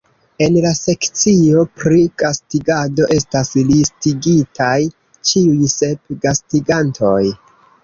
En la sekcio pri gastigado estas listigitaj ĉiuj sep gastigantoj.